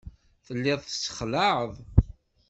Telliḍ tessexlaɛeḍ.